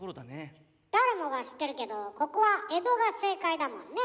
誰もが知ってるけどここは「江戸」が正解だもんね。